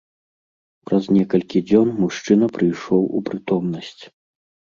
Праз некалькі дзён мужчына прыйшоў у прытомнасць.